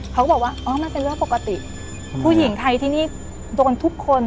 เขาก็บอกว่าอ๋อมันเป็นเรื่องปกติผู้หญิงไทยที่นี่โดนทุกคน